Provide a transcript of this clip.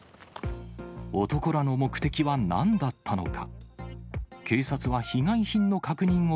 男らの目的は何だったのか。